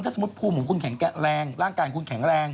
สมมุติภูมิของคุณแข็งแรงร่างกายคุณแข็งแรง